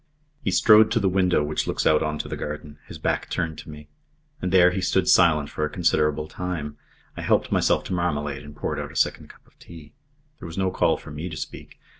He strode to the window which looks out on to the garden, his back turned on me. And there he stood silent for a considerable time. I helped myself to marmalade and poured out a second cup of tea. There was no call for me to speak.